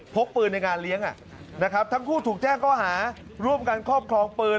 พกปืนในงานเลี้ยงทั้งคู่ถูกแจ้งหาร่วมกันข้อมคลองปืน